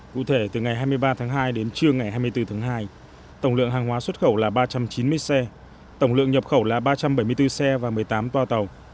cụ thể từ ngày hai mươi ba tháng hai đến trưa ngày hai mươi bốn tháng hai tổng lượng hàng hóa xuất khẩu là ba trăm chín mươi xe tổng lượng nhập khẩu là ba trăm bảy mươi bốn xe và một mươi tám toa tàu